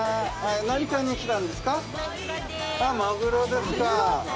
マグロですか。